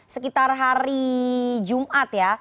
sekitar hari jumat ya